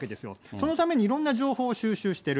そのためにいろんな情報を収集してる。